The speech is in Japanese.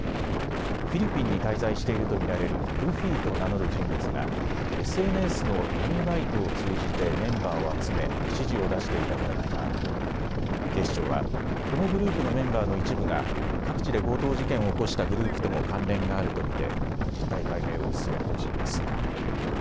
フィリピンに滞在していると見られるルフィと名乗る人物がＳＮＳの闇バイトを通じてメンバーを集め指示を出していた疑いがあり警視庁はこのグループのメンバーの一部が各地で強盗事件を起こしたグループとも関連があると見て実態解明を進める方針です。